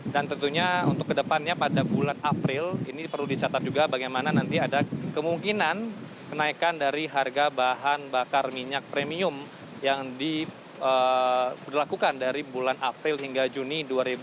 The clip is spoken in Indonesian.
dan tentunya untuk kedepannya pada bulan april ini perlu dicatat juga bagaimana nanti ada kemungkinan kenaikan dari harga bahan bakar minyak premium yang dilakukan dari bulan april hingga juni dua ribu delapan belas